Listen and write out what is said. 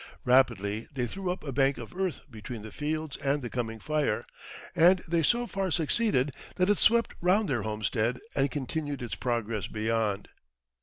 Rapidly they threw up a bank of earth between the fields and the coming fire, and they so far succeeded that it swept round their homestead and continued its progress beyond.